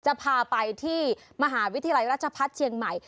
จะพาไปที่มหาวิทยาลัยราชพัฒน์เชียงใหม่